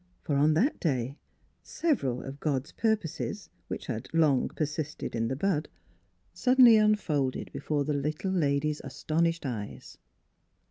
For on that day several of " God's pur poses," which had long persisted in the bud, suddenly unfolded before the little lady's astonished eyes.